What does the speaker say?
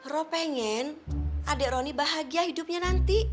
ro pengen adik rony bahagia hidupnya nanti